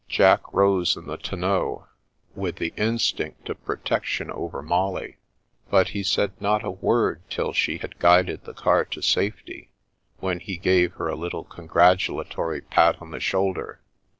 Jack rose in the ton neau, with the instinct of protection over Molly. But he said not a word till she had guided the car to safety, when he gave her a little congratulatory pat on the shoulder.